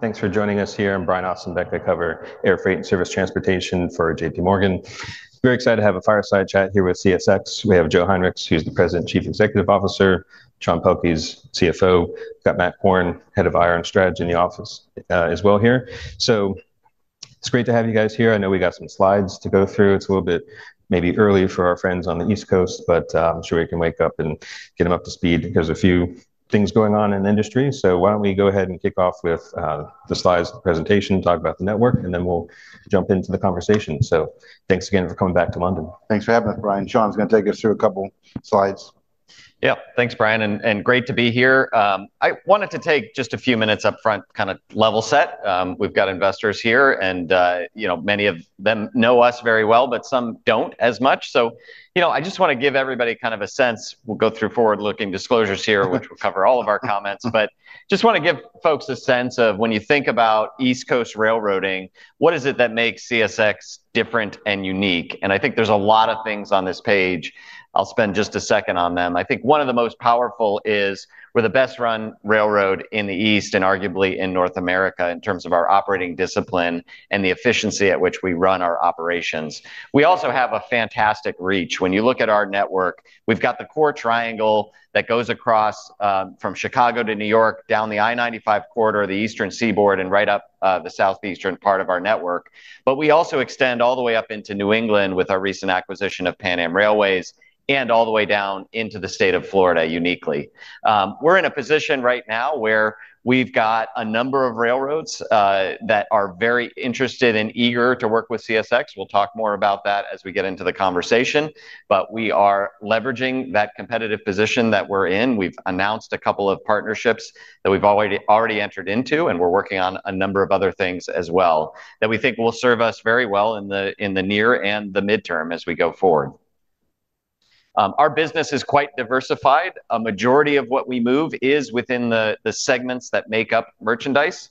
Thanks for joining us here. I'm Brian Ossenbeck. I cover air freight and service transportation for JPMorgan. We're excited to have a fireside chat here with CSX. We have Joe Hinrichs, who's the President and Chief Executive Officer, Sean Pelkey, CFO. We've got Matt Korn, Head of Strategy in the office as well here. It's great to have you guys here. I know we got some slides to go through. It's a little bit maybe early for our friends on the East Coast, but I'm sure we can wake up and get them up to speed because of a few things going on in the industry. Why don't we go ahead and kick off with the slides, the presentation, talk about the network, and then we'll jump into the conversation. Thanks again for coming back to London. Thanks for having us, Brian. Sean is going to take us through a couple slides. Yeah, thanks, Brian, and great to be here. I wanted to take just a few minutes up front to kind of level set. We've got investors here, and you know many of them know us very well, but some don't as much. I just want to give everybody kind of a sense. We'll go through forward-looking disclosures here, which will cover all of our comments, but just want to give folks a sense of when you think about East Coast railroading, what is it that makes CSX different and unique? I think there's a lot of things on this page. I'll spend just a second on them. I think one of the most powerful is we're the best run railroad in the East and arguably in North America in terms of our operating discipline and the efficiency at which we run our operations. We also have a fantastic reach. When you look at our network, we've got the core triangle that goes across from Chicago to New York, down the I-95 corridor, the Eastern Seaboard, and right up the Southeastern part of our network. We also extend all the way up into New England with our recent acquisition of Pan Am Railways and all the way down into the state of Florida uniquely. We're in a position right now where we've got a number of railroads that are very interested and eager to work with CSX. We'll talk more about that as we get into the conversation. We are leveraging that competitive position that we're in. We've announced a couple of partnerships that we've already entered into, and we're working on a number of other things as well that we think will serve us very well in the near and the midterm as we go forward. Our business is quite diversified. A majority of what we move is within the segments that make up merchandise.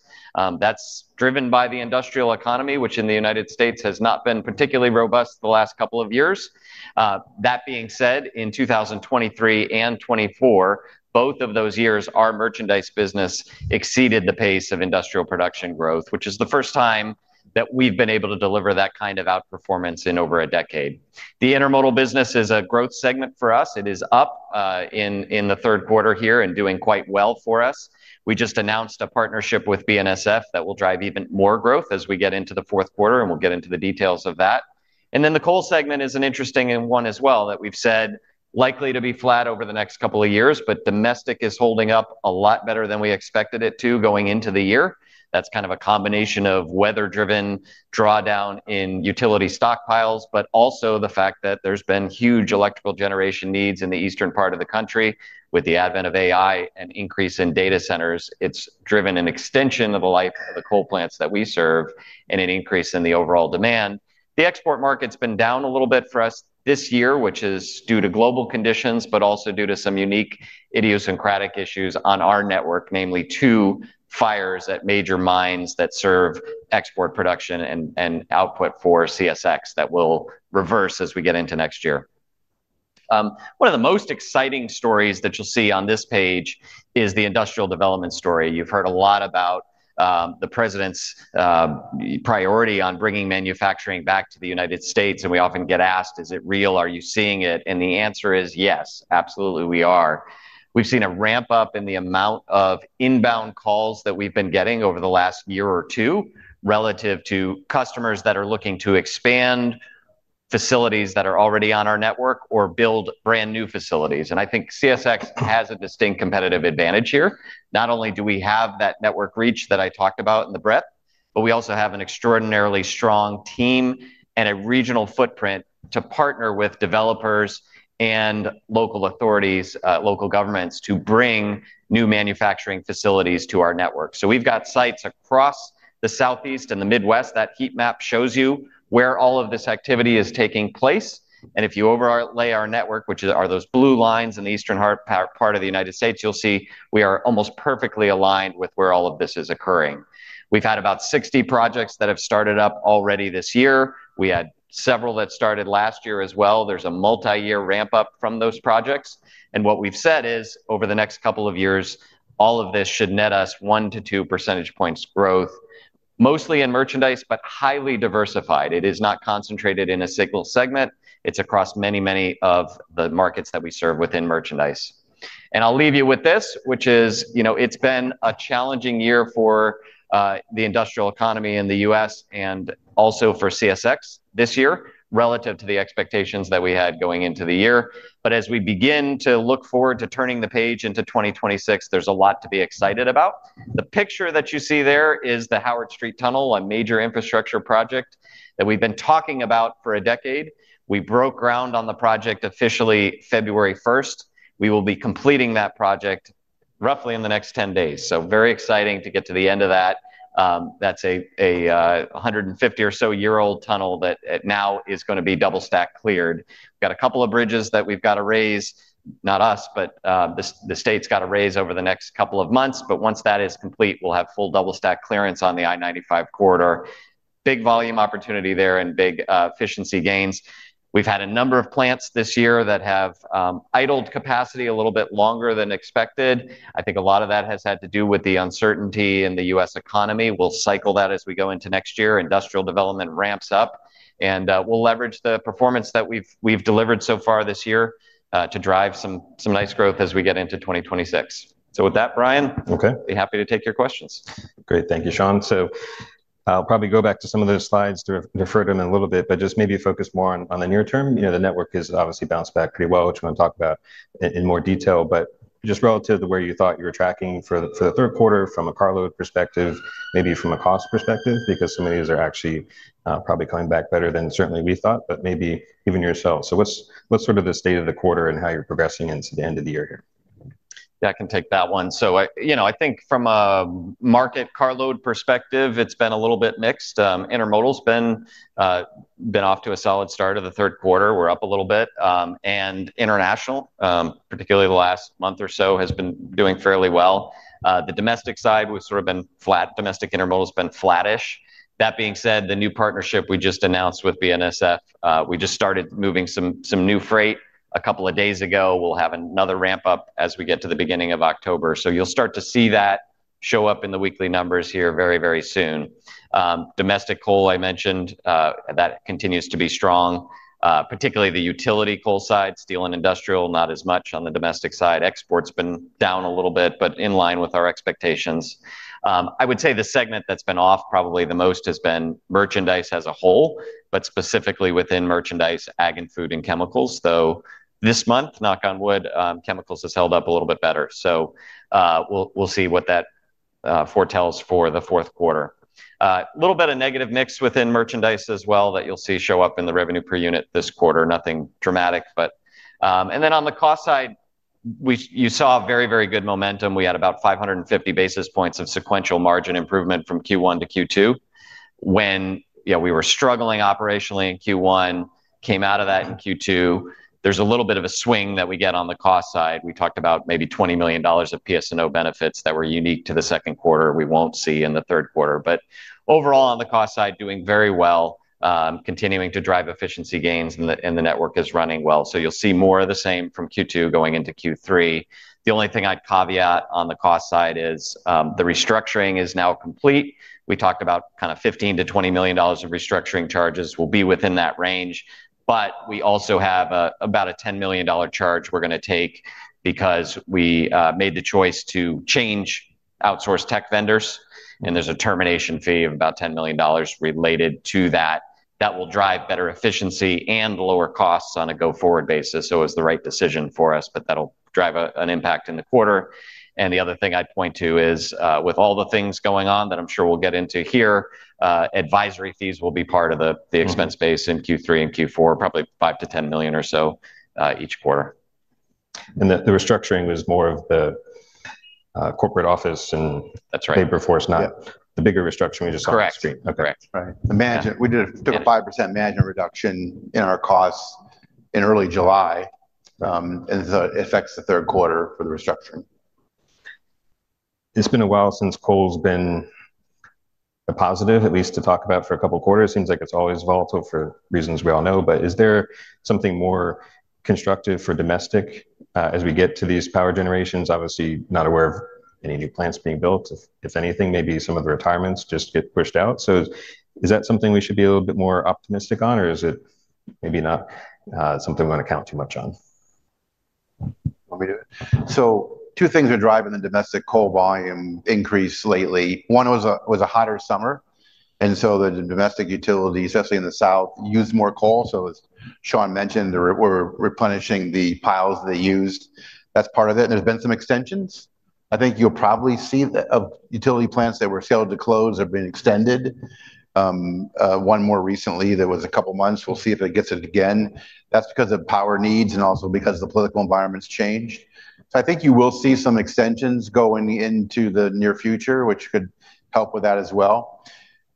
That's driven by the industrial economy, which in the United States has not been particularly robust the last couple of years. That being said, in 2023 and 2024, both of those years, our merchandise business exceeded the pace of industrial production growth, which is the first time that we've been able to deliver that kind of outperformance in over a decade. The intermodal business is a growth segment for us. It is up in the third quarter here and doing quite well for us. We just announced a partnership with BNSF that will drive even more growth as we get into the fourth quarter, and we'll get into the details of that. The coal segment is an interesting one as well that we've said is likely to be flat over the next couple of years, but domestic is holding up a lot better than we expected it to going into the year. That is kind of a combination of weather-driven drawdown in utility stockpiles, but also the fact that there's been huge electrical generation needs in the eastern part of the country with the advent of AI and increase in data centers. It has driven an extension of the life of the coal plants that we serve and an increase in the overall demand. The export market has been down a little bit for us this year, which is due to global conditions, but also due to some unique idiosyncratic issues on our network, namely two fires at major mines that serve export production and output for CSX that will reverse as we get into next year. One of the most exciting stories that you'll see on this page is the industrial development story. You've heard a lot about the President's priority on bringing manufacturing back to the United States, and we often get asked, is it real? Are you seeing it? The answer is yes, absolutely we are. We've seen a ramp-up in the amount of inbound calls that we've been getting over the last year or two relative to customers that are looking to expand facilities that are already on our network or build brand new facilities. I think CSX has a distinct competitive advantage here. Not only do we have that network reach that I talked about in the breadth, but we also have an extraordinarily strong team and a regional footprint to partner with developers and local authorities, local governments to bring new manufacturing facilities to our network. We have sites across the Southeast and the Midwest. That heat map shows you where all of this activity is taking place. If you overlay our network, which are those blue lines in the eastern part of the United States, you'll see we are almost perfectly aligned with where all of this is occurring. We've had about 60 projects that have started up already this year. We had several that started last year as well. There is a multi-year ramp-up from those projects. What we've said is over the next couple of years, all of this should net us 1%-2% growth, mostly in merchandise, but highly diversified. It is not concentrated in a single segment. It is across many, many of the markets that we serve within merchandise. I'll leave you with this, which is, you know, it's been a challenging year for the industrial economy in the U.S. and also for CSX this year relative to the expectations that we had going into the year. As we begin to look forward to turning the page into 2026, there's a lot to be excited about. The picture that you see there is the Howard Street Tunnel, a major infrastructure project that we've been talking about for a decade. We broke ground on the project officially February 1. We will be completing that project roughly in the next 10 days. Very exciting to get to the end of that. That's a 150 or so year-old tunnel that now is going to be double stack cleared. We've got a couple of bridges that we've got to raise, not us, but the state's got to raise over the next couple of months. Once that is complete, we'll have full double stack clearance on the I-95 corridor. Big volume opportunity there and big efficiency gains. We've had a number of plants this year that have idled capacity a little bit longer than expected. I think a lot of that has had to do with the uncertainty in the U.S. economy. We'll cycle that as we go into next year. Industrial development ramps up, and we'll leverage the performance that we've delivered so far this year to drive some nice growth as we get into 2026. With that, Brian, we'll be happy to take your questions. Great, thank you, Sean. I'll probably go back to some of those slides to refer to them in a little bit, but just maybe focus more on the near term. The network has obviously bounced back pretty well, which I'm going to talk about in more detail. Just relative to where you thought you were tracking for the third quarter from a carload perspective, maybe from a cost perspective, because some of these are actually probably coming back better than certainly we thought, but maybe even yourself. What's sort of the state of the quarter and how you're progressing into the end of the year here? Yeah, I can take that one. I think from a market carload perspective, it's been a little bit mixed. Intermodal's been off to a solid start of the third quarter. We're up a little bit, and international, particularly the last month or so, has been doing fairly well. The domestic side has sort of been flat. Domestic intermodal's been flattish. That being said, the new partnership we just announced with BNSF, we just started moving some new freight a couple of days ago. We'll have another ramp-up as we get to the beginning of October. You'll start to see that show up in the weekly numbers here very, very soon. Domestic coal, I mentioned, that continues to be strong, particularly the utility coal side. Steel and industrial, not as much on the domestic side. Exports have been down a little bit, but in line with our expectations. I would say the segment that's been off probably the most has been merchandise as a whole, but specifically within merchandise, ag, and food and chemicals, though this month, knock on wood, chemicals has held up a little bit better. We'll see what that foretells for the fourth quarter. A little bit of negative mix within merchandise as well that you'll see show up in the revenue per unit this quarter. Nothing dramatic, but on the cost side, you saw very, very good momentum. We had about 550 basis points of sequential margin improvement from Q1 to Q2. When we were struggling operationally in Q1, came out of that in Q2. There's a little bit of a swing that we get on the cost side. We talked about maybe $20 million of P&O benefits that were unique to the second quarter we won't see in the third quarter. Overall, on the cost side, doing very well, continuing to drive efficiency gains, and the network is running well. You'll see more of the same from Q2 going into Q3. The only thing I'd caveat on the cost side is the restructuring is now complete. We talked about kind of $15 million-$20 million of restructuring charges will be within that range. We also have about a $10 million charge we're going to take because we made the choice to change outsourced tech vendors, and there's a termination fee of about $10 million related to that. That will drive better efficiency and lower costs on a go-forward basis. It was the right decision for us, but that'll drive an impact in the quarter. The other thing I'd point to is with all the things going on that I'm sure we'll get into here, advisory fees will be part of the expense base in Q3 and Q4, probably $5 million-$10 million or so each quarter. The restructuring was more of the corporate office and paper force, not the bigger restructuring we just talked about. Correct. Imagine we did a 5% management reduction in our costs in early July, and it affects the third quarter for the restructuring. It's been a while since coal's been a positive, at least to talk about for a couple of quarters. It seems like it's always volatile for reasons we all know. Is there something more constructive for domestic as we get to these power generations? Obviously, not aware of any new plants being built. If anything, maybe some of the retirements just get pushed out. Is that something we should be a little bit more optimistic on, or is it maybe not something we want to count too much on? Two things are driving the domestic coal volume increase lately. One was a hotter summer, and the domestic utility, especially in the South, used more coal. As Sean mentioned, we're replenishing the piles they used. That's part of it. There have been some extensions. I think you'll probably see that utility plants that were scheduled to close have been extended. One more recently, there was a couple of months. We'll see if it gets it again. That's because of power needs and also because of the political environment's change. I think you will see some extensions going into the near future, which could help with that as well.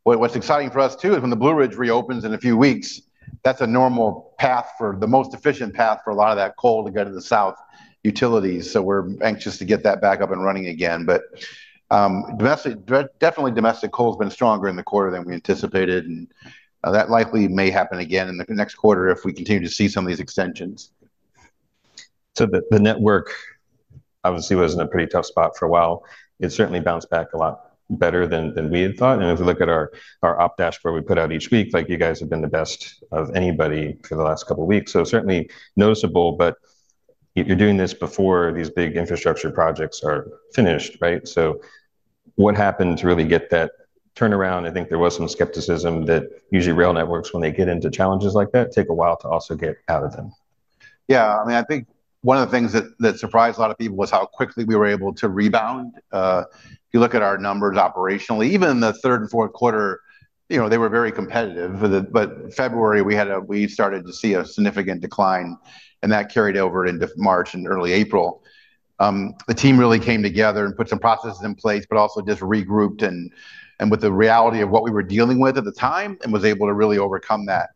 What's exciting for us, too, is when the Blue Ridge reopens in a few weeks, that's a normal path for the most efficient path for a lot of that coal to go to the South utilities. We're anxious to get that back up and running again. Domestic coal's been stronger in the quarter than we anticipated, and that likely may happen again in the next quarter if we continue to see some of these extensions. The network obviously was in a pretty tough spot for a while. It's certainly bounced back a lot better than we had thought. As we look at our op dashboard we put out each week, it's like you guys have been the best of anybody for the last couple of weeks. It's certainly noticeable, but you're doing this before these big infrastructure projects are finished, right? What happened to really get that turnaround? I think there was some skepticism that usually rail networks, when they get into challenges like that, take a while to also get out of them. Yeah, I mean, I think one of the things that surprised a lot of people was how quickly we were able to rebound. If you look at our numbers operationally, even in the third and fourth quarter, they were very competitive. In February, we started to see a significant decline, and that carried over into March and early April. The team really came together and put some processes in place, but also just regrouped with the reality of what we were dealing with at the time and was able to really overcome that.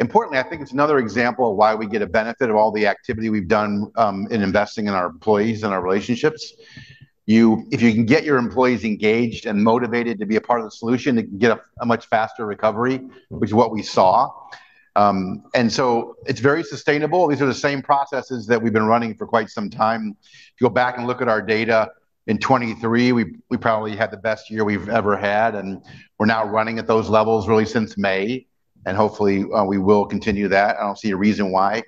Importantly, I think it's another example of why we get a benefit of all the activity we've done in investing in our employees and our relationships. If you can get your employees engaged and motivated to be a part of the solution, you can get a much faster recovery, which is what we saw. It's very sustainable. These are the same processes that we've been running for quite some time. If you go back and look at our data in 2023, we probably had the best year we've ever had, and we're now running at those levels really since May, and hopefully we will continue that. I don't see a reason why.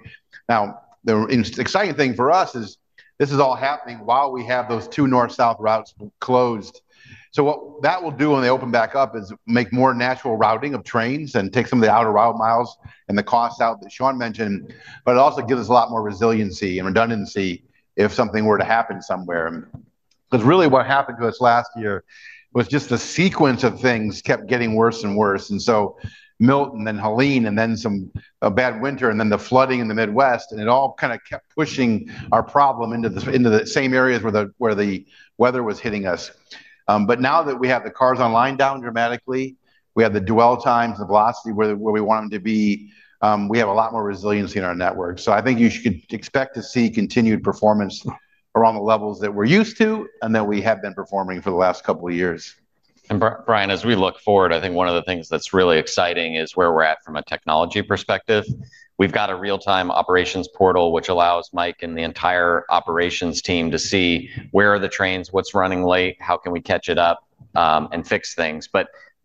The exciting thing for us is this is all happening while we have those two north-south routes closed. What that will do when they open back up is make more natural routing of trains and take some of the out-of-route miles and the costs out that Sean mentioned, but it also gives us a lot more resiliency and redundancy if something were to happen somewhere. Really what happened to us last year was just the sequence of things kept getting worse and worse. Milton and Helene and then some bad winter and then the flooding in the Midwest, and it all kind of kept pushing our problem into the same areas where the weather was hitting us. Now that we have the cars on line down dramatically, we have the dwell times, the velocity where we want them to be, we have a lot more resiliency in our network. I think you could expect to see continued performance around the levels that we're used to and that we have been performing for the last couple of years. Brian, as we look forward, I think one of the things that's really exciting is where we're at from a technology perspective. We've got a real-time operations portal which allows Mike and the entire operations team to see where are the trains, what's running late, how can we catch it up and fix things.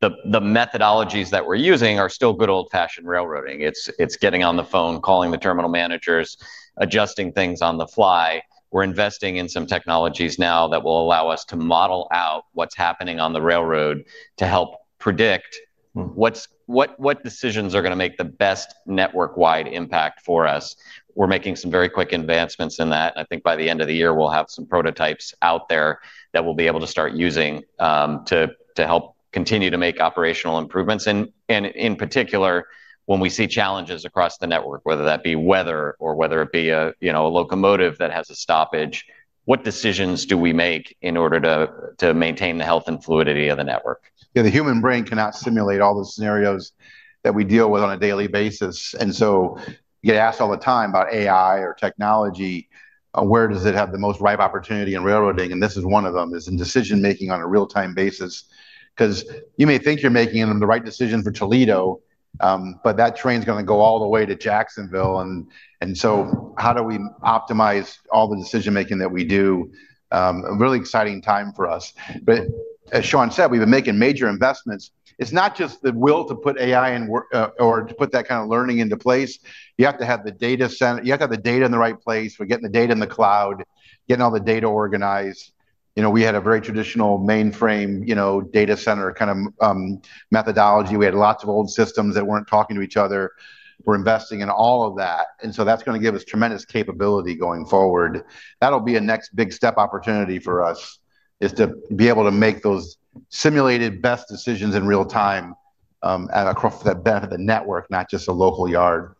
The methodologies that we're using are still good old-fashioned railroading. It's getting on the phone, calling the terminal managers, adjusting things on the fly. We're investing in some technologies now that will allow us to model out what's happening on the railroad to help predict what decisions are going to make the best network-wide impact for us. We're making some very quick advancements in that. I think by the end of the year, we'll have some prototypes out there that we'll be able to start using to help continue to make operational improvements. In particular, when we see challenges across the network, whether that be weather or whether it be a locomotive that has a stoppage, what decisions do we make in order to maintain the health and fluidity of the network? Yeah, the human brain cannot simulate all the scenarios that we deal with on a daily basis. You get asked all the time about AI or technology, where does it have the most ripe opportunity in railroading? This is one of them, in decision-making on a real-time basis. You may think you're making the right decision for Toledo, but that train's going to go all the way to Jacksonville. How do we optimize all the decision-making that we do? A really exciting time for us. As Sean said, we've been making major investments. It's not just the will to put AI in or to put that kind of learning into place. You have to have the data center. You have to have the data in the right place. We're getting the data in the cloud, getting all the data organized. We had a very traditional mainframe data center kind of methodology. We had lots of old systems that weren't talking to each other. We're investing in all of that. That's going to give us tremendous capability going forward. That'll be a next big step opportunity for us, to be able to make those simulated best decisions in real time across the benefit of the network, not just a local yard.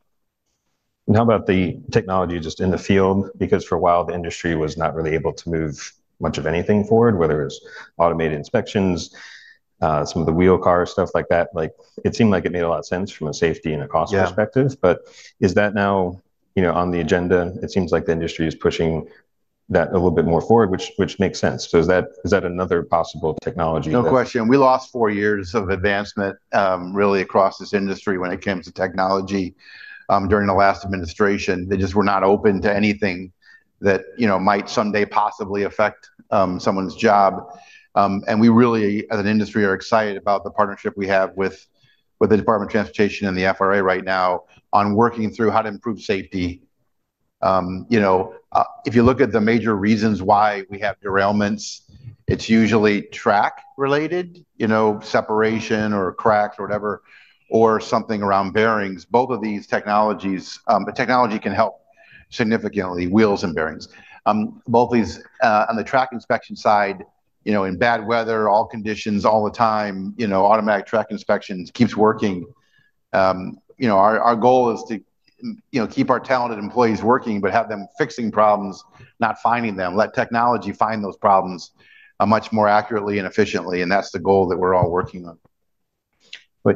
How about the technology just in the field? For a while, the industry was not really able to move much of anything forward, whether it was automated inspections, some of the wheel cars, stuff like that. It seemed like it made a lot of sense from a safety and a cost perspective. Is that now on the agenda? It seems like the industry is pushing that a little bit more forward, which makes sense. Is that another possible technology? No question. We lost four years of advancement really across this industry when it came to technology during the last administration. They just were not open to anything that might someday possibly affect someone's job. We really, as an industry, are excited about the partnership we have with the Department of Transportation and the FRA right now on working through how to improve safety. If you look at the major reasons why we have derailments, it's usually track-related, separation or cracks or whatever, or something around bearings. Both of these technologies, the technology can help significantly, wheels and bearings. Both of these on the track inspection side, in bad weather, all conditions, all the time, automatic track inspections keep working. Our goal is to keep our talented employees working, but have them fixing problems, not finding them. Let technology find those problems much more accurately and efficiently. That's the goal that we're all working on.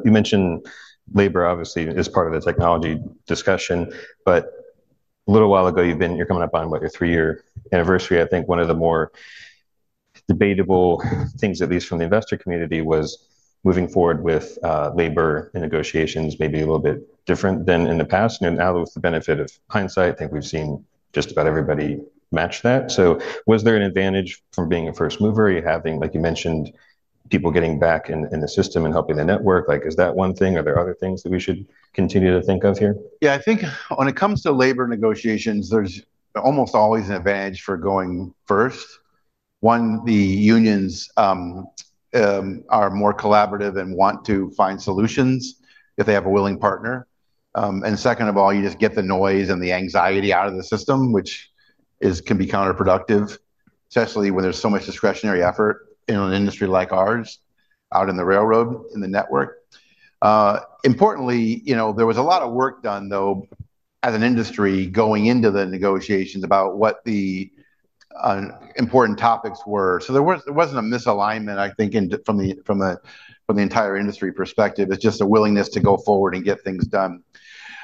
You mentioned labor, obviously, is part of the technology discussion. A little while ago, you're coming up on what your three-year anniversary. I think one of the more debatable things, at least from the investor community, was moving forward with labor and negotiations maybe a little bit different than in the past. Now, with the benefit of hindsight, I think we've seen just about everybody match that. Was there an advantage from being a first mover? Are you having, like you mentioned, people getting back in the system and helping the network? Is that one thing? Are there other things that we should continue to think of here? Yeah, I think when it comes to labor negotiations, there's almost always an advantage for going first. One, the unions are more collaborative and want to find solutions if they have a willing partner. Second of all, you just get the noise and the anxiety out of the system, which can be counterproductive, especially when there's so much discretionary effort in an industry like ours out in the railroad, in the network. Importantly, there was a lot of work done, though, as an industry going into the negotiations about what the important topics were. There wasn't a misalignment, I think, from the entire industry perspective. It's just a willingness to go forward and get things done.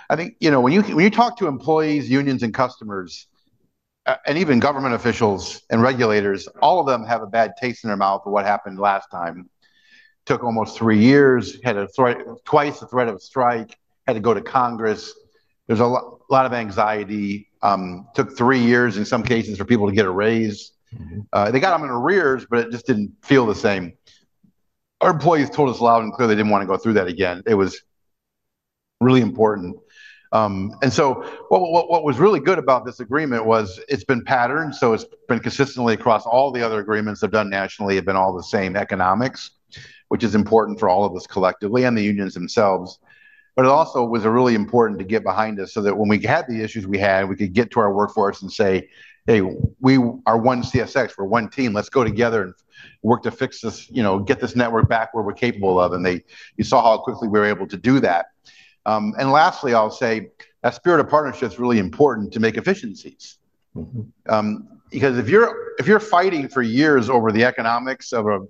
I think when you talk to employees, unions, and customers, and even government officials and regulators, all of them have a bad taste in their mouth of what happened last time. Took almost three years, had twice a threat of strike, had to go to Congress. There's a lot of anxiety. Took three years in some cases for people to get a raise. They got on their rears, but it just didn't feel the same. Our employees told us loud and clear they didn't want to go through that again. It was really important. What was really good about this agreement was it's been patterned. It's been consistently across all the other agreements I've done nationally. It's been all the same economics, which is important for all of us collectively and the unions themselves. It also was really important to get behind us so that when we had the issues we had, we could get to our workforce and say, "Hey, we are one CSX. We're one team. Let's go together and work to fix this, get this network back where we're capable of." You saw how quickly we were able to do that. Lastly, I'll say that spirit of partnership is really important to make efficiencies. If you're fighting for years over the economics or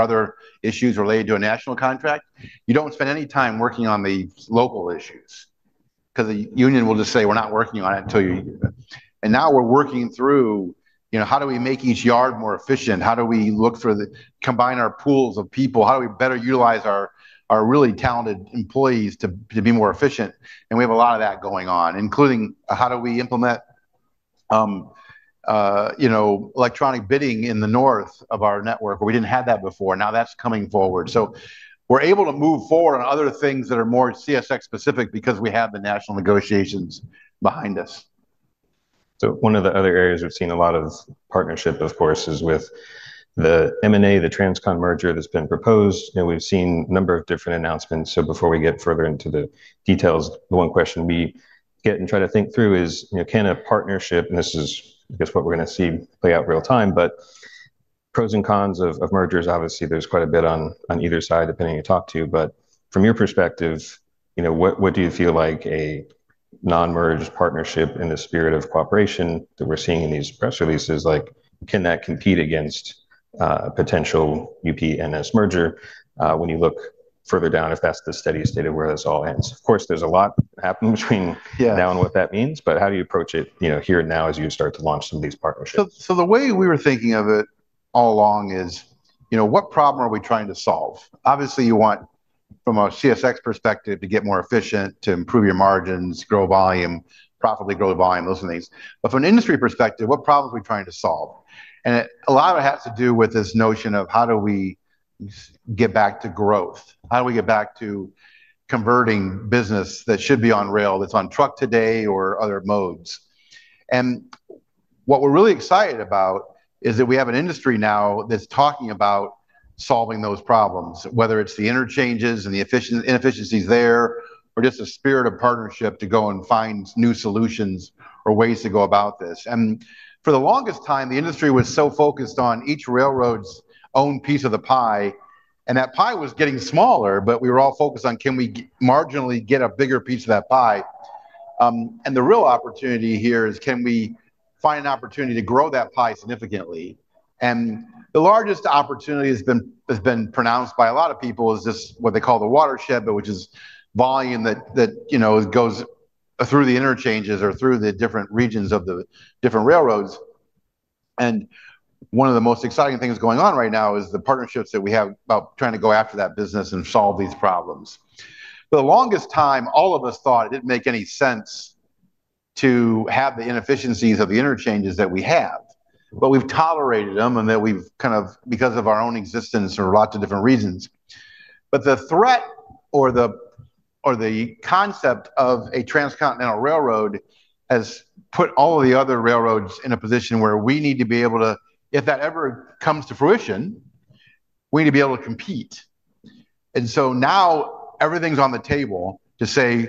other issues related to a national contract, you don't spend any time working on the local issues because the union will just say, "We're not working on it until you..." Now we're working through how do we make each yard more efficient? How do we look through to combine our pools of people? How do we better utilize our really talented employees to be more efficient? We have a lot of that going on, including how do we implement electronic bidding in the north of our network where we didn't have that before. Now that's coming forward. We're able to move forward on other things that are more CSX specific because we have the national negotiations behind us. One of the other areas we've seen a lot of partnership, of course, is with the M&A, the TransCon merger that's been proposed. We've seen a number of different announcements. Before we get further into the details, the one question we get and try to think through is, you know, can a partnership, and this is, I guess, what we're going to see play out real time, but pros and cons of mergers, obviously, there's quite a bit on either side depending on who you talk to. From your perspective, you know, what do you feel like a non-merged partnership in the spirit of cooperation that we're seeing in these press releases? Like, can that compete against a potential UPNS merger when you look further down if that's the steady state of where this all ends? Of course, there's a lot happening between now and what that means, but how do you approach it, you know, here and now as you start to launch some of these partnerships? The way we were thinking of it all along is, you know, what problem are we trying to solve? Obviously, you want, from a CSX perspective, to get more efficient, to improve your margins, grow volume, profitably grow the volume, those things. From an industry perspective, what problems are we trying to solve? A lot of it has to do with this notion of how do we get back to growth? How do we get back to converting business that should be on rail, that's on truck today or other modes? What we're really excited about is that we have an industry now that's talking about solving those problems, whether it's the interchanges and the inefficiencies there, or just a spirit of partnership to go and find new solutions or ways to go about this. For the longest time, the industry was so focused on each railroad's own piece of the pie, and that pie was getting smaller, but we were all focused on can we marginally get a bigger piece of that pie. The real opportunity here is can we find an opportunity to grow that pie significantly? The largest opportunity that's been pronounced by a lot of people is just what they call the watershed, which is volume that goes through the interchanges or through the different regions of the different railroads. One of the most exciting things going on right now is the partnerships that we have about trying to go after that business and solve these problems. For the longest time, all of us thought it didn't make any sense to have the inefficiencies of the interchanges that we have. We've tolerated them and that we've kind of, because of our own existence or lots of different reasons. The threat or the concept of a transcontinental railroad has put all of the other railroads in a position where we need to be able to, if that ever comes to fruition, we need to be able to compete. Now everything's on the table to say,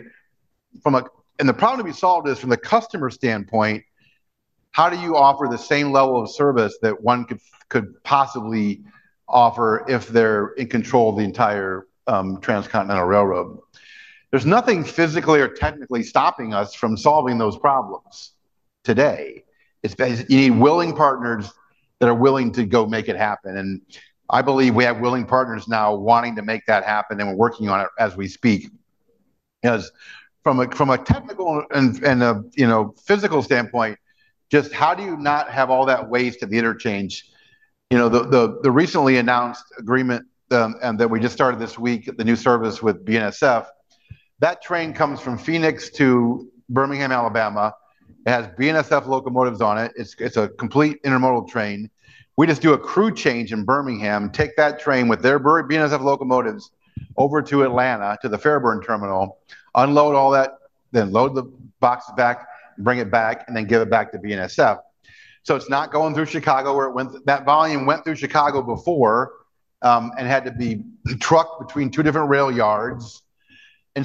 from a, and the problem to be solved is from the customer standpoint, how do you offer the same level of service that one could possibly offer if they're in control of the entire transcontinental railroad? There's nothing physically or technically stopping us from solving those problems today. It's basically, you need willing partners that are willing to go make it happen. I believe we have willing partners now wanting to make that happen, and we're working on it as we speak. Because from a technical and a physical standpoint, just how do you not have all that waste at the interchange? You know, the recently announced agreement that we just started this week, the new service with BNSF Railway, that train comes from Phoenix to Birmingham, Alabama. It has BNSF locomotives on it. It's a complete intermodal train. We just do a crew change in Birmingham, take that train with their BNSF locomotives over to Atlanta, to the Fairburn Terminal, unload all that, then load the boxes back, bring it back, and then give it back to BNSF. It's not going through Chicago where it went. That volume went through Chicago before and had to be trucked between two different rail yards.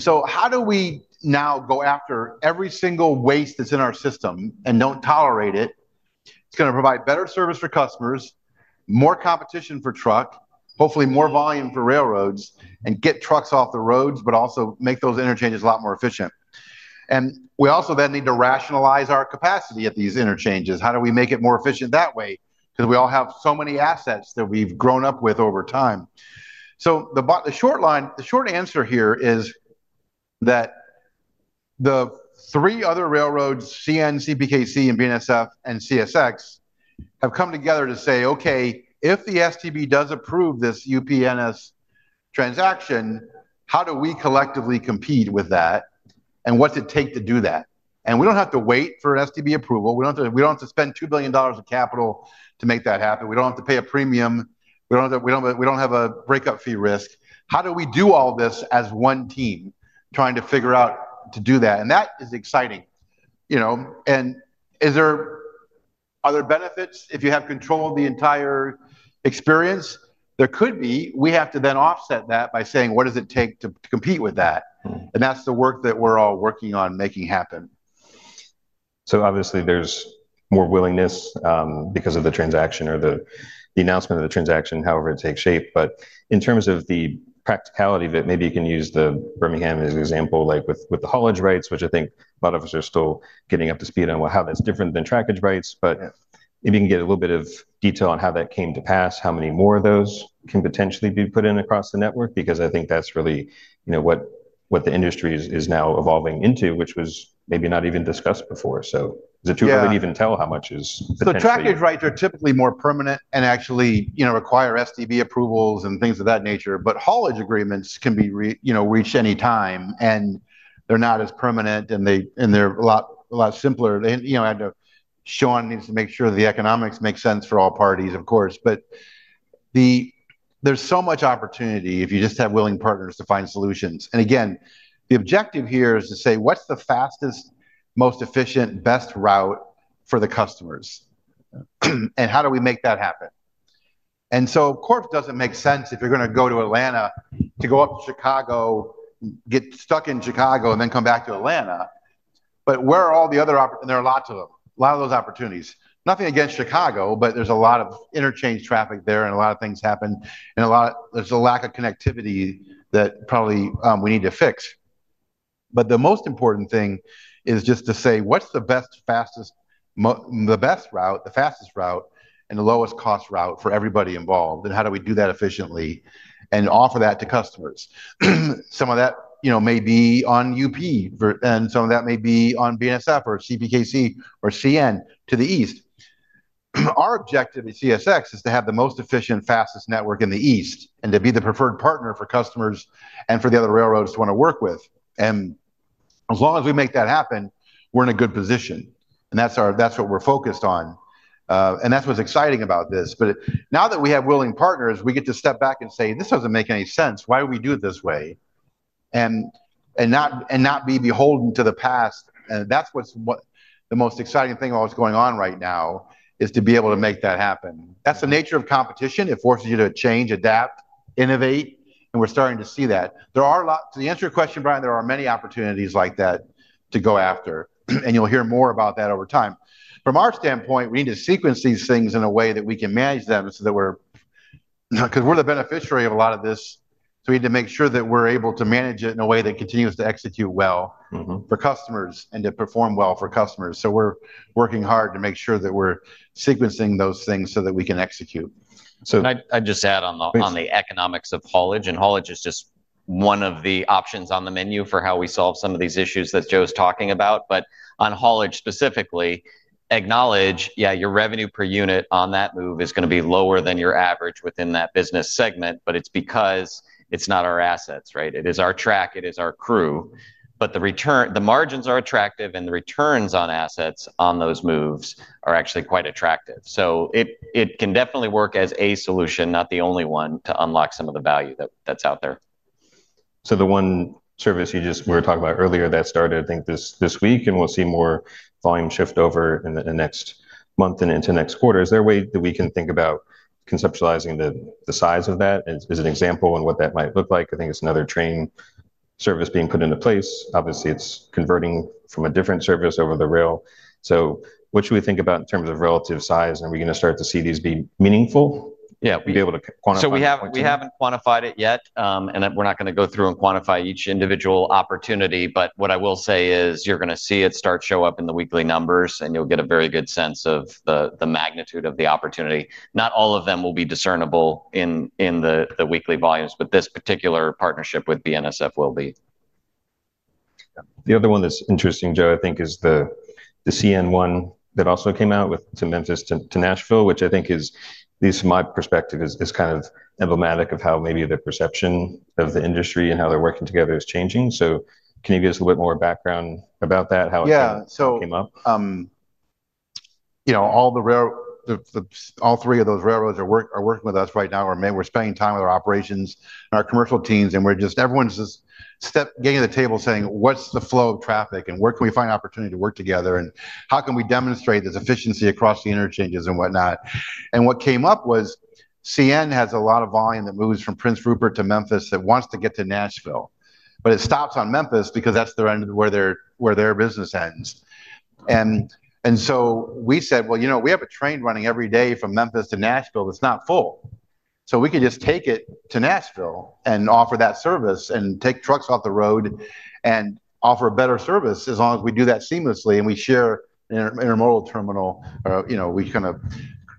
How do we now go after every single waste that's in our system and don't tolerate it? It's going to provide better service for customers, more competition for truck, hopefully more volume for railroads, and get trucks off the roads, but also make those interchanges a lot more efficient. We also then need to rationalize our capacity at these interchanges. How do we make it more efficient that way? We all have so many assets that we've grown up with over time. The short answer here is that the three other railroads, CN, CPKC, and BNSF, and CSX have come together to say, okay, if the STB does approve this UPNS transaction, how do we collectively compete with that? What's it take to do that? We don't have to wait for an STB approval. We don't have to spend $2 billion of capital to make that happen. We don't have to pay a premium. We don't have a breakup fee risk. How do we do all this as one team trying to figure out to do that? That is exciting. You know, and are there benefits if you have control of the entire experience? There could be. We have to then offset that by saying, what does it take to compete with that? That's the work that we're all working on making happen. Obviously, there's more willingness because of the transaction or the announcement of the transaction, however it takes shape. In terms of the practicality of it, maybe you can use Birmingham as an example, like with the haulage rights, which I think a lot of us are still getting up to speed on, how that's different than trackage rights. Maybe you can get a little bit of detail on how that came to pass, how many more of those can potentially be put in across the network, because I think that's really what the industry is now evolving into, which was maybe not even discussed before. Is it too early to even tell how much is? Trackage rights are typically more permanent and actually require STB approvals and things of that nature. Haulage agreements can be reached any time, and they're not as permanent, and they're a lot simpler. I know Sean needs to make sure that the economics make sense for all parties, of course. There is so much opportunity if you just have willing partners to find solutions. The objective here is to say, what's the fastest, most efficient, best route for the customers? How do we make that happen? Corf doesn't make sense if you're going to go to Atlanta to go up to Chicago, get stuck in Chicago, and then come back to Atlanta. Where are all the other, and there are lots of them, a lot of those opportunities? Nothing against Chicago, but there's a lot of interchange traffic there, and a lot of things happen, and there's a lack of connectivity that probably we need to fix. The most important thing is just to say, what's the best, fastest, the best route, the fastest route, and the lowest cost route for everybody involved? How do we do that efficiently and offer that to customers? Some of that may be on UP, and some of that may be on BNSF or CPKC or CN to the east. Our objective at CSX is to have the most efficient, fastest network in the east and to be the preferred partner for customers and for the other railroads who want to work with us. As long as we make that happen, we're in a good position. That's what we're focused on. That's what's exciting about this. Now that we have willing partners, we get to step back and say, this doesn't make any sense. Why do we do it this way? Not be beholden to the past. That's the most exciting thing about what's going on right now, to be able to make that happen. That's the nature of competition. It forces you to change, adapt, innovate, and we're starting to see that. To the answer to your question, Brian, there are many opportunities like that to go after. You'll hear more about that over time. From our standpoint, we need to sequence these things in a way that we can manage them because we're the beneficiary of a lot of this. We need to make sure that we're able to manage it in a way that continues to execute well for customers and to perform well for customers. We're working hard to make sure that we're sequencing those things so that we can execute. I'd just add on the economics of haulage, and haulage is just one of the options on the menu for how we solve some of these issues that Joe's talking about. On haulage specifically, acknowledge, yeah, your revenue per unit on that move is going to be lower than your average within that business segment, but it's because it's not our assets, right? It is our track, it is our crew. The margins are attractive, and the returns on assets on those moves are actually quite attractive. It can definitely work as a solution, not the only one, to unlock some of the value that's out there. The one service you just, we were talking about earlier that started, I think, this week, and we'll see more volume shift over in the next month and into next quarter. Is there a way that we can think about conceptualizing the size of that as an example and what that might look like? I think it's another train service being put into place. Obviously, it's converting from a different service over the rail. What should we think about in terms of relative size? Are we going to start to see these be meaningful? Yeah, we will be able to quantify it. We have not quantified it yet, and we are not going to go through and quantify each individual opportunity. What I will say is you are going to see it start to show up in the weekly numbers, and you will get a very good sense of the magnitude of the opportunity. Not all of them will be discernible in the weekly volumes, but this particular partnership with BNSF will be. The other one that's interesting, Joe, I think, is the CN one that also came out to Memphis to Nashville, which I think is, at least from my perspective, kind of emblematic of how maybe the perception of the industry and how they're working together is changing. Can you give us a little bit more background about that? Yeah, so all three of those railroads are working with us right now. We're spending time with our operations and our commercial teams, and everyone's just getting at the table saying, what's the flow of traffic and where can we find opportunity to work together and how can we demonstrate this efficiency across the interchanges and whatnot? What came up was CN has a lot of volume that moves from Prince Rupert to Memphis that wants to get to Nashville, but it stops in Memphis because that's where their business ends. We said, well, you know, we have a train running every day from Memphis to Nashville that's not full. We could just take it to Nashville and offer that service and take trucks off the road and offer a better service as long as we do that seamlessly and we share an intermodal terminal or, you know, we kind of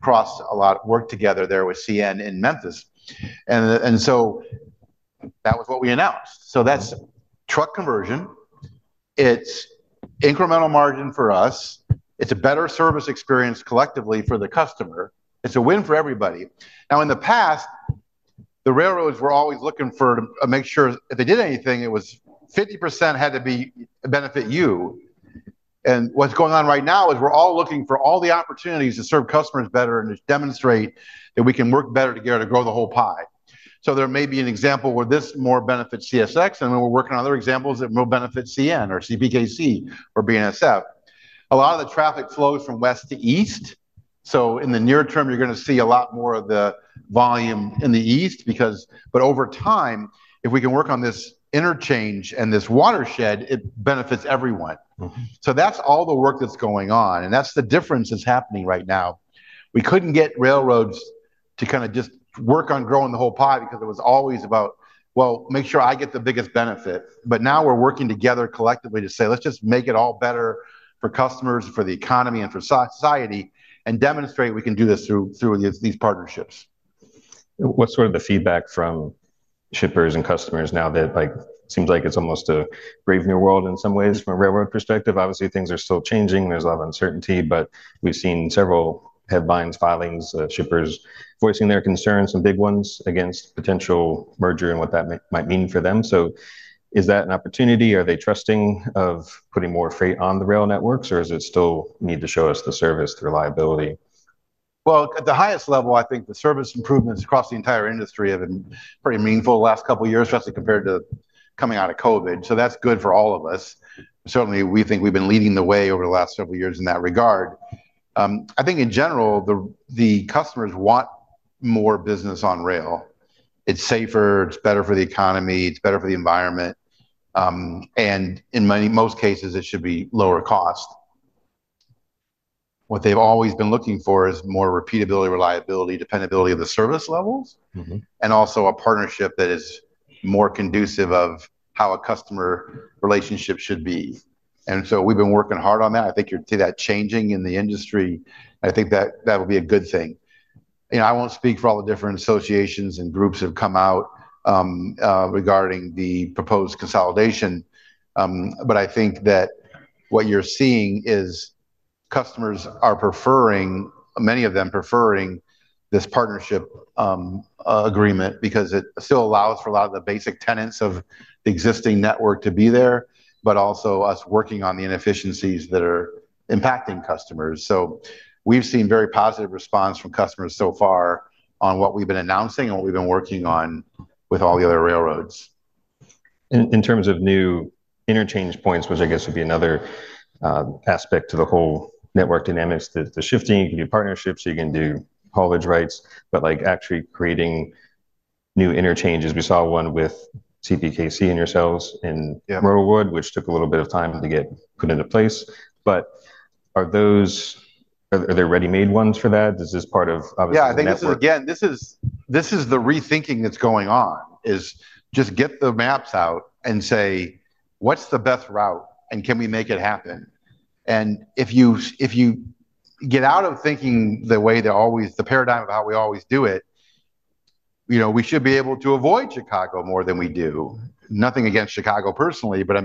cross a lot of work together there with CN in Memphis. That was what we announced. That's truck conversion. It's incremental margin for us. It's a better service experience collectively for the customer. It's a win for everybody. In the past, the railroads were always looking to make sure if they did anything, it was 50% had to benefit you. What's going on right now is we're all looking for all the opportunities to serve customers better and to demonstrate that we can work better together to grow the whole pie. There may be an example where this more benefits CSX, and we're working on other examples that will benefit CN or CPKC or BNSF. A lot of the traffic flows from west to east. In the near term, you're going to see a lot more of the volume in the east, but over time, if we can work on this interchange and this watershed, it benefits everyone. That's all the work that's going on, and that's the difference that's happening right now. We couldn't get railroads to kind of just work on growing the whole pie because it was always about, well, make sure I get the biggest benefit. Now we're working together collectively to say, let's just make it all better for customers, for the economy, and for society, and demonstrate we can do this through these partnerships. What's sort of the feedback from shippers and customers now that seems like it's almost a graver world in some ways from a railroad perspective? Obviously, things are still changing. There's a lot of uncertainty, but we've seen several headlines, filings, shippers voicing their concerns, some big ones, against potential merger and what that might mean for them. Is that an opportunity? Are they trusting of putting more freight on the rail networks, or does it still need to show us the service, the reliability? At the highest level, I think the service improvements across the entire industry have been pretty meaningful the last couple of years, especially compared to coming out of COVID. That's good for all of us. Certainly, we think we've been leading the way over the last several years in that regard. I think in general, the customers want more business on rail. It's safer, it's better for the economy, it's better for the environment, and in most cases, it should be lower cost. What they've always been looking for is more repeatability, reliability, dependability of the service levels, and also a partnership that is more conducive of how a customer relationship should be. We've been working hard on that. I think you'll see that changing in the industry. I think that will be a good thing. I won't speak for all the different associations and groups that have come out regarding the proposed consolidation, but I think that what you're seeing is customers are preferring, many of them preferring this partnership agreement because it still allows for a lot of the basic tenets of the existing network to be there, but also us working on the inefficiencies that are impacting customers. We've seen a very positive response from customers so far on what we've been announcing and what we've been working on with all the other railroads. In terms of new interchange points, which I guess would be another aspect to the whole network dynamics, the shifting, you can do partnerships, you can do haulage rights, but actually creating new interchanges, we saw one with CPKC and yourselves in Morrow Wood, which took a little bit of time to get put into place. Are there ready-made ones for that? Is this part of? Yeah, I think this is, again, this is the rethinking that's going on, just get the maps out and say, what's the best route and can we make it happen? If you get out of thinking the way to always, the paradigm of how we always do it, we should be able to avoid Chicago more than we do. Nothing against Chicago personally, but,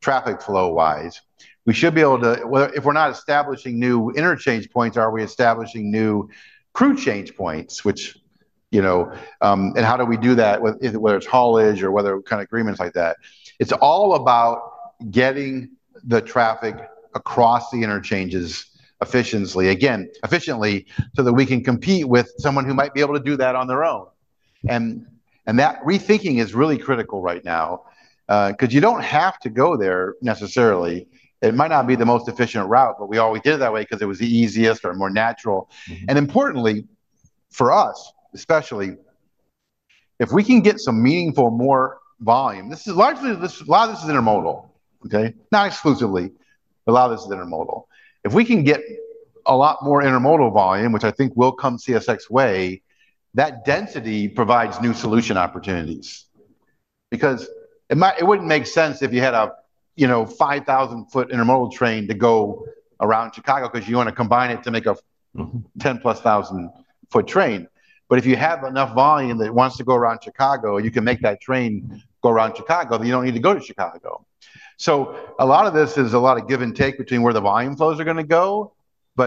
traffic flow-wise, we should be able to, if we're not establishing new interchange points, are we establishing new crew change points, and how do we do that, whether it's haulage or whether kind of agreements like that? It's all about getting the traffic across the interchanges efficiently, again, efficiently so that we can compete with someone who might be able to do that on their own. That rethinking is really critical right now because you don't have to go there necessarily. It might not be the most efficient route, but we always did it that way because it was the easiest or more natural. Importantly, for us especially, if we can get some meaningful more volume, this is largely, a lot of this is intermodal, okay? Not exclusively, but a lot of this is intermodal. If we can get a lot more intermodal volume, which I think will come CSX way, that density provides new solution opportunities. It wouldn't make sense if you had a 5,000-foot intermodal train to go around Chicago because you want to combine it to make a 10,000-plus-foot train. If you have enough volume that wants to go around Chicago, you can make that train go around Chicago so you don't need to go to Chicago. A lot of this is a lot of give and take between where the volume flows are going to go.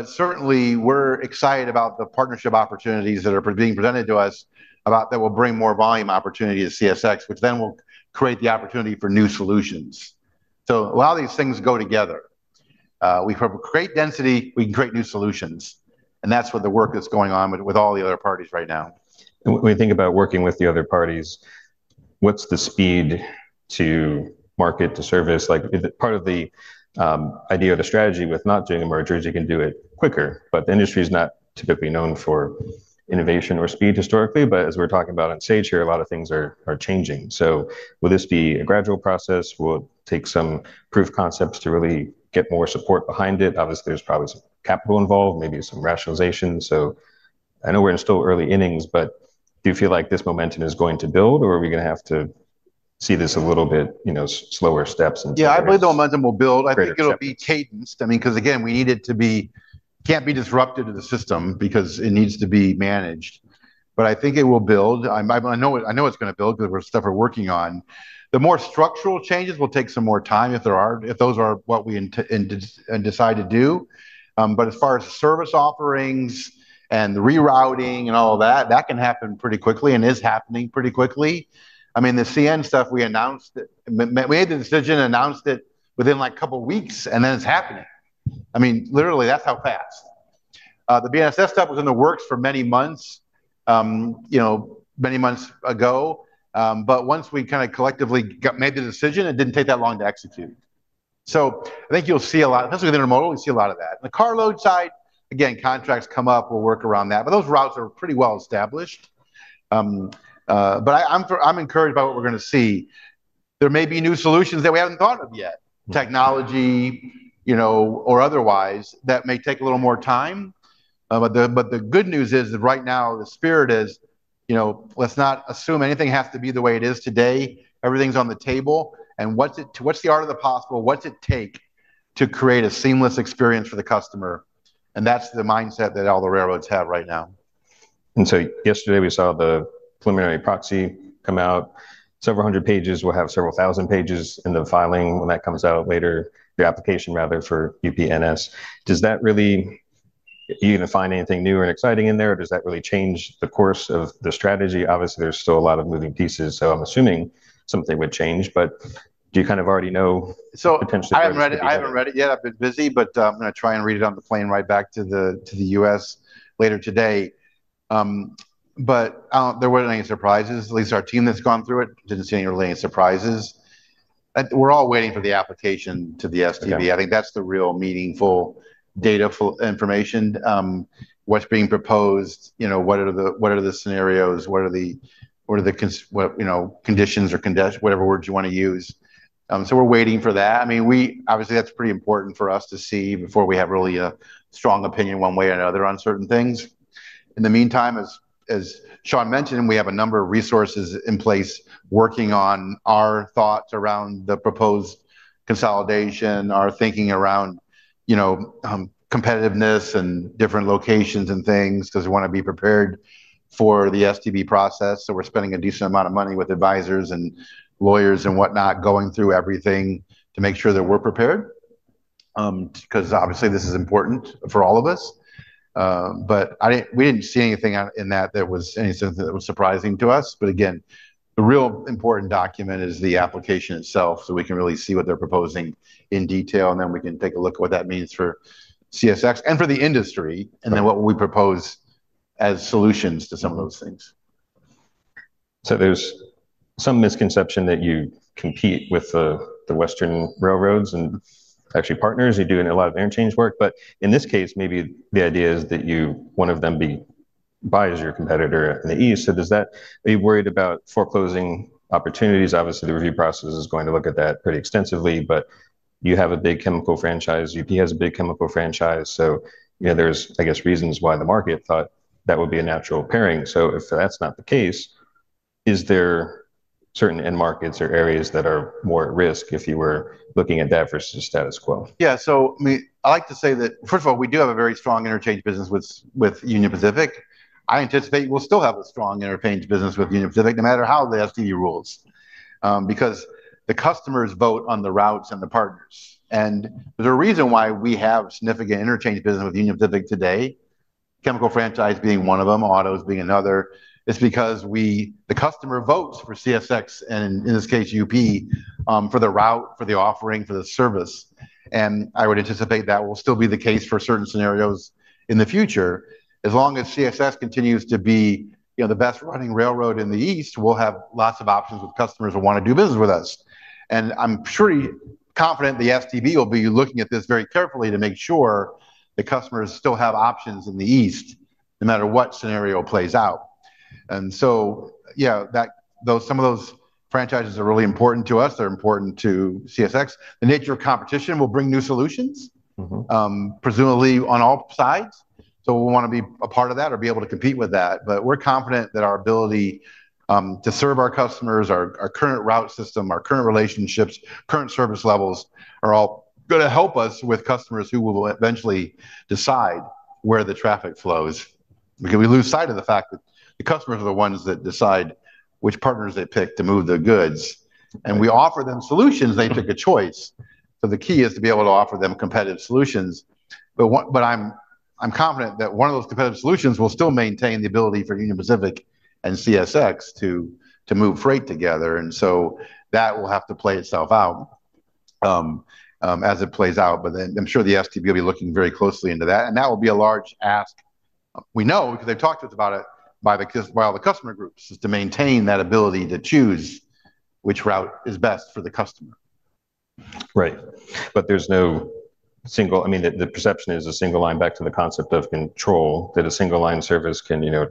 Certainly, we're excited about the partnership opportunities that are being presented to us that will bring more volume opportunity to CSX, which then will create the opportunity for new solutions. A lot of these things go together. We create density, we can create new solutions. That's the work that's going on with all the other parties right now. When you think about working with the other parties, what's the speed to market to service? Part of the idea of the strategy with not doing the mergers, you can do it quicker. The industry is not typically known for innovation or speed historically. As we're talking about on stage here, a lot of things are changing. Will this be a gradual process? Will it take some proof of concepts to really get more support behind it? Obviously, there's probably some capital involved, maybe some rationalization. I know we're in still early innings, but do you feel like this momentum is going to build, or are we going to have to see this a little bit, you know, slower steps? Yeah, I believe the momentum will build. I think it'll be cadenced, because again, we need it to be, can't be disrupted to the system because it needs to be managed. I think it will build. I know it's going to build because of the stuff we're working on. The more structural changes will take some more time if those are what we decide to do. As far as service offerings and rerouting and all of that, that can happen pretty quickly and is happening pretty quickly. The CN stuff we announced, we made the decision and announced it within like a couple of weeks, and then it's happening. Literally, that's how fast. The BNSF stuff was in the works for many months, many months ago. Once we kind of collectively made the decision, it didn't take that long to execute. I think you'll see a lot, especially with intermodal, you see a lot of that. On the carload side, contracts come up, we'll work around that. Those routes are pretty well established. I'm encouraged by what we're going to see. There may be new solutions that we haven't thought of yet, technology, or otherwise that may take a little more time. The good news is that right now the spirit is, let's not assume anything has to be the way it is today. Everything's on the table. What's the art of the possible? What's it take to create a seamless experience for the customer? That's the mindset that all the railroads have right now. Yesterday we saw the preliminary proxy come out. Several hundred pages will have several thousand pages in the filing when that comes out later, your application rather for UPNS. Does that really, you need to find anything new or exciting in there, or does that really change the course of the strategy? Obviously, there's still a lot of moving pieces, so I'm assuming something would change. Do you kind of already know? I haven't read it yet. I've been busy, but I'm going to try and read it on the plane right back to the U.S. later today. There weren't any surprises. At least our team that's gone through it didn't see really any surprises. We're all waiting for the application to the STB. I think that's the real meaningful data for information. What's being proposed, you know, what are the scenarios? What are the conditions or whatever words you want to use? We're waiting for that. Obviously, that's pretty important for us to see before we have really a strong opinion one way or another on certain things. In the meantime, as Sean mentioned, we have a number of resources in place working on our thoughts around the proposed consolidation, our thinking around, you know, competitiveness and different locations and things. We want to be prepared for the STB process. We're spending a decent amount of money with advisors and lawyers and whatnot going through everything to make sure that we're prepared. Obviously, this is important for all of us. We didn't see anything in that that was anything that was surprising to us. Again, the real important document is the application itself so we can really see what they're proposing in detail. Then we can take a look at what that means for CSX and for the industry. Then what will we propose as solutions to some of those things? There's some misconception that you compete with the Western railroads and actually partners. You do a lot of interchange work. In this case, maybe the idea is that one of them buys your competitor in the east. Does that, are you worried about foreclosing opportunities? Obviously, the review process is going to look at that pretty extensively. You have a big chemical franchise. UP has a big chemical franchise. There's, I guess, reasons why the market thought that would be a natural pairing. If that's not the case, is there certain end markets or areas that are more at risk if you were looking at that versus the status quo? I like to say that, first of all, we do have a very strong interchange business with Union Pacific. I anticipate we'll still have a strong interchange business with Union Pacific no matter how the STB rules, because the customers vote on the routes and the partners. There's a reason why we have significant interchange business with Union Pacific today, chemical franchise being one of them, autos being another. It's because the customer votes for CSX and, in this case, UP, for the route, for the offering, for the service. I would anticipate that will still be the case for certain scenarios in the future. As long as CSX continues to be the best running railroad in the east, we'll have lots of options with customers who want to do business with us. I'm pretty confident the STB will be looking at this very carefully to make sure the customers still have options in the east no matter what scenario plays out. Some of those franchises are really important to us. They're important to CSX. The nature of competition will bring new solutions, presumably on all sides. We want to be a part of that or be able to compete with that. We're confident that our ability to serve our customers, our current route system, our current relationships, and current service levels are all going to help us with customers who will eventually decide where the traffic flows. We lose sight of the fact that the customers are the ones that decide which partners they pick to move their goods. We offer them solutions, they pick a choice. The key is to be able to offer them competitive solutions. I'm confident that one of those competitive solutions will still maintain the ability for Union Pacific and CSX to move freight together. That will have to play itself out as it plays out. I'm sure the STB will be looking very closely into that. That will be a large ask. We know because they've talked to us about it by all the customer groups, to maintain that ability to choose which route is best for the customer. Right. There's no single, I mean, the perception is a single line, back to the concept of control, that a single line service can, you know,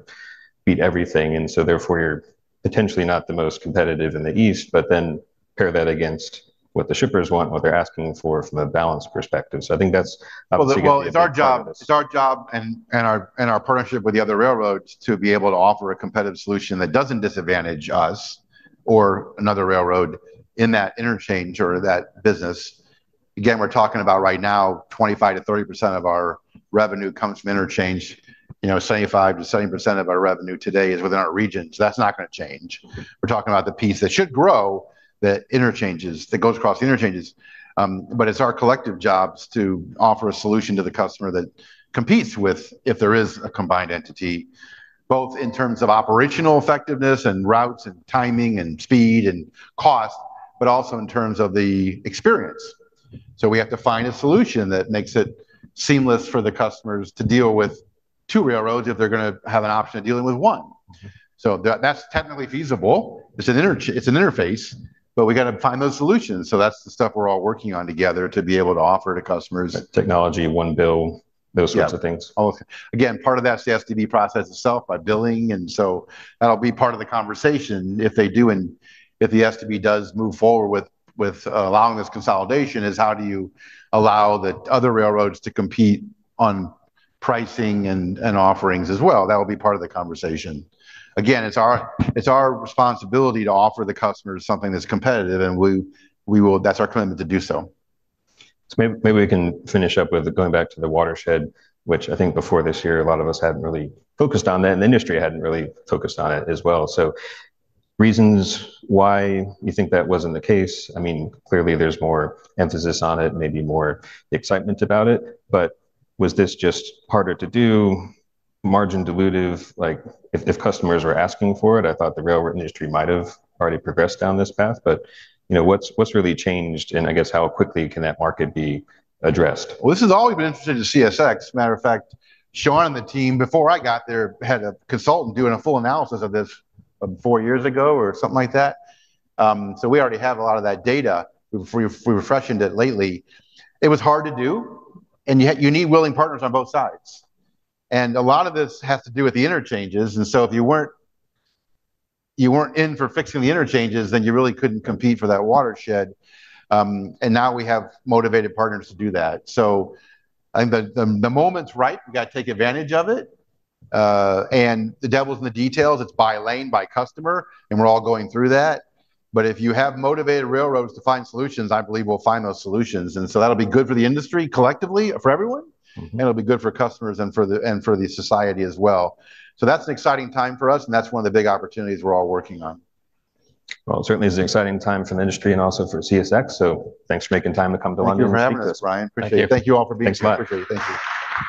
beat everything. Therefore, you're potentially not the most competitive in the east, but then pair that against what the shippers want, what they're asking for from a balanced perspective. I think that's. It is our job and our partnership with the other railroads to be able to offer a competitive solution that does not disadvantage us or another railroad in that interchange or that business. Again, we are talking about right now 25% to 30% of our revenue comes from interchange. You know, 75% to 70% of our revenue today is within our region. That is not going to change. We are talking about the piece that should grow that interchanges, that goes across the interchanges. It is our collective jobs to offer a solution to the customer that competes if there is a combined entity, both in terms of operational effectiveness and routes and timing and speed and cost, but also in terms of the experience. We have to find a solution that makes it seamless for the customers to deal with two railroads if they are going to have an option of dealing with one. That is technically feasible. It is an interface, but we have to find those solutions. That is the stuff we are all working on together to be able to offer to customers. Technology, one bill, those types of things. Part of that's the STB process itself by billing. That'll be part of the conversation if they do, and if the STB does move forward with allowing this consolidation, how do you allow the other railroads to compete on pricing and offerings as well? That will be part of the conversation. It's our responsibility to offer the customers something that's competitive, and we will, that's our commitment to do so. Maybe we can finish up with going back to the watershed, which I think before this year a lot of us hadn't really focused on that, and the industry hadn't really focused on it as well. Reasons why you think that wasn't the case, I mean, clearly there's more emphasis on it, maybe more excitement about it. Was this just harder to do, margin dilutive, like if customers were asking for it, I thought the railroad industry might have already progressed down this path. You know, what's really changed, and I guess how quickly can that market be addressed? This has always been interesting to CSX. As a matter of fact, Sean and the team before I got there had a consultant doing a full analysis of this four years ago or something like that. We already have a lot of that data. We refreshed it lately. It was hard to do, and you need willing partners on both sides. A lot of this has to do with the interchanges. If you weren't in for fixing the interchanges, then you really couldn't compete for that watershed. Now we have motivated partners to do that. I think the moment's right. You got to take advantage of it. The devil's in the details. It's by lane, by customer, and we're all going through that. If you have motivated railroads to find solutions, I believe we'll find those solutions. That'll be good for the industry collectively, for everyone, and it'll be good for customers and for the society as well. That's an exciting time for us, and that's one of the big opportunities we're all working on. It certainly is an exciting time for the industry and also for CSX. Thanks for making time to come to London. Thank you for having us, Brian. Appreciate it. Thank you all for being here. Thank you.